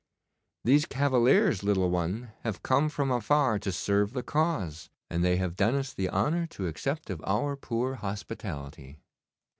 These cavaliers, little one, have come from afar to serve the cause, and they have done us the honour to accept of our poor hospitality.